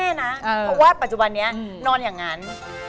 เพราะว่าปัจจุบันนี้นอนอย่างนั้น